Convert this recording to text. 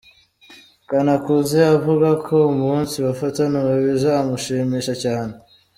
Kanakuze avuga ko umunsi bafatanuwe bizamushimisha cyane.